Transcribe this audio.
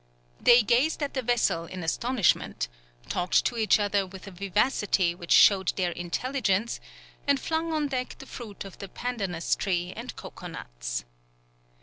They gazed at the vessel in astonishment, talked to each other with a vivacity which showed their intelligence, and flung on deck the fruit of the pandanus tree and cocoa nuts.